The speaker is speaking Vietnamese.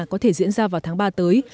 có thể diễn ra vào tháng ba tới